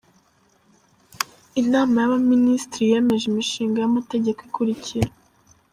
Inama y’Abaminisitiri yemeje Imishinga y’Amategeko ikurikira: